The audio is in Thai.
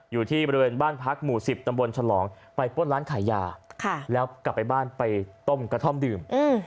อยู่ที่บริเวณบ้านพักหมู่๑๐ตำบลฉลองไปป้นร้านขายยาแล้วกลับไปบ้านไปต้มกระท่อมดื่ม